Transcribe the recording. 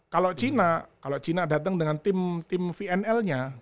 kalau china kalau cina datang dengan tim vnl nya